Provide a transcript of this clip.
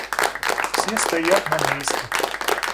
Все стоят на месте.